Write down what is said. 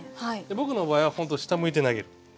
僕の場合は本当下向いて投げる。